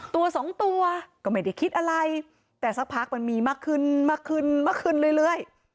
ตัวสองตัวก็ไม่ได้คิดอะไรแต่สักพักมันมีมากขึ้นมากขึ้นเรื่อย